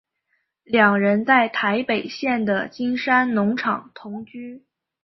两人在台北县的金山农场同居。